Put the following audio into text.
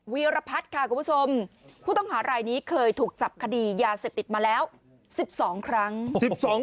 วีรพัฒน์ค่ะคุณผู้ชมผู้ต้องหารายนี้เคยถูกจับคดียาเสพติดมาแล้ว๑๒ครั้ง